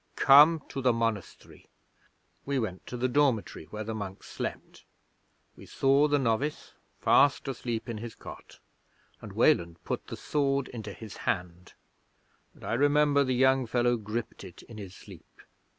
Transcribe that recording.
Come to the monastery." 'We went to the dormitory where the monks slept, we saw the novice fast asleep in his cot, and Weland put the sword into his hand, and I remember the young fellow gripped it in his sleep.